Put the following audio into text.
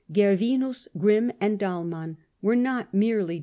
Gervinus, Grimm and Dahlmann were not merely 1837.